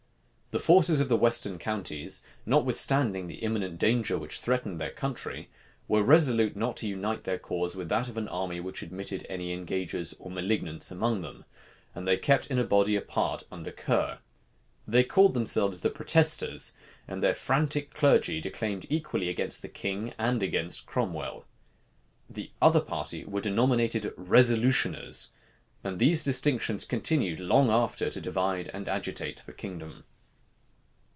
The forces of the western counties, notwithstanding the imminent danger which threatened their country, were resolute not to unite their cause with that of an army which admitted any engagers or malignants among them; and they kept in a body apart under Ker. They called themselves the protesters; and their frantic clergy declaimed equally against the king and against Cromwell. The other party were denominated resolutioners; and these distinctions continued long after to divide and agitate the kingdom.